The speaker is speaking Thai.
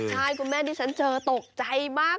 ใช่คุณแม่ดิฉันเจอตกใจมาก